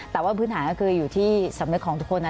แต่ว่าพื้นหาคืออยู่ที่สำเนินของทุกคน